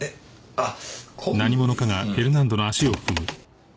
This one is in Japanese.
あっ！